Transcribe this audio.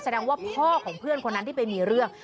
แสดงว่าพ่อของเพื่อนคนนั้นที่ไปมีเรื่อง